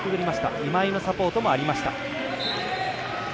今井のサポートもありました。